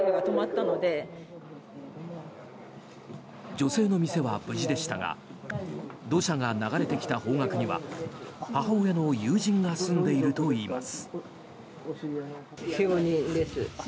女性の店は無事でしたが土砂が流れてきた方角には母親の友人が住んでいるといいます。